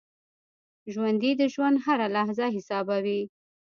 ژوندي د ژوند هره لحظه حسابوي